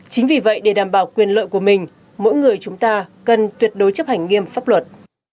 chính vì vậy để đảm bảo quyền lợi của mình mỗi người chúng ta cần tuyệt đối chấp hành nghiêm pháp luật